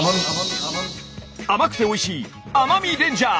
甘くておいしい甘味レンジャー！